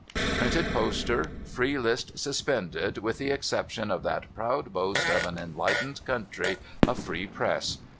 Printed poster, ' Free list suspended, with the exception of that proud boast of an enlightened country, a free press.